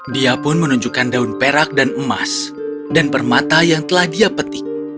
dia pun menunjukkan daun perak dan emas dan permata yang telah dia petik